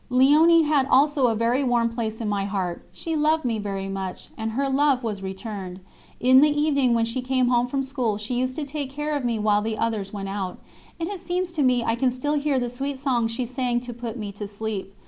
Léonie had also a very warm place in my heart; she loved me very much, and her love was returned. In the evening when she came home from school she used to take care of me while the others went out, and it seems to me I can still hear the sweet songs she sang to put me to sleep.